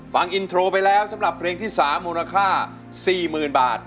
ฟังอินโทรไปแล้วสำหรับเพลงที่๓มูลค่า๔๐๐๐บาท